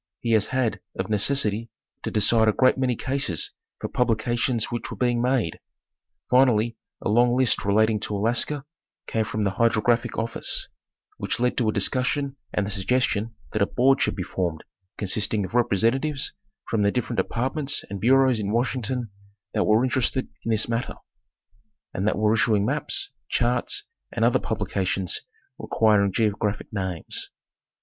He has had, of necessity, to decide a great many cases for publications which were being made: finally a long list relating to Alaska came from the Hydrographic office, which led to a discussion and the suggestion that a board should be formed consisting of representatives from the different departments and bureaus in Washington that were interested in this matter, and that were issuing maps, charts and other publi cations requiring geographic names.